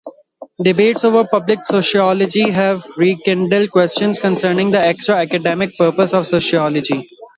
Debates over public sociology have rekindled questions concerning the extra-academic "purpose" of sociology.